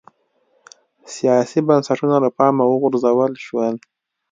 سیاسي بنسټونه له پامه وغورځول شول